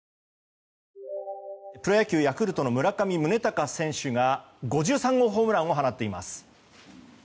プロ野球ヤクルトの村上宗隆選手が５３号ホームランを放っています。